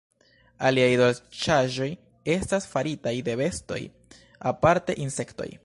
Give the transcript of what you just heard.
Aliaj dolĉaĵoj estas faritaj de bestoj, aparte insektoj.